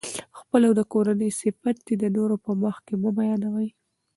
خپل او د کورنۍ صفت دي د نورو په مخکي مه بیانوئ!